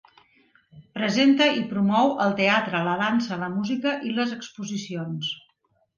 Presenta i promou el teatre, la dansa, la música i les exposicions.